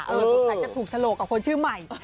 เออตกใจจะถูกโฉลกกับคนชื่อใหม่